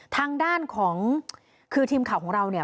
ทางด้านของคือทีมข่าวของเราเนี่ย